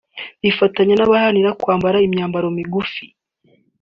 bifatanya n’abaharanira kwambara imyambaro migufi